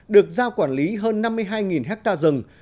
được giao quản lý hơn năm năm